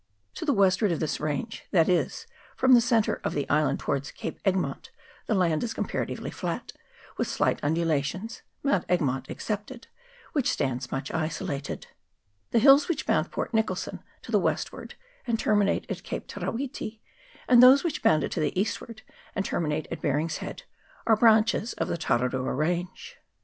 To the westward of this range, that is, from the centre of the island towards Cape Egmont, the land is comparatively flat, with slight undula tions, Mount Egmont excepted, which stands much isolated. The hills which bound Port Nicholson to the westward, and terminate at Cape Te ra witi, and those which bound it to the eastward, and terminate at Baring's Heads, are branches of the Tararua range.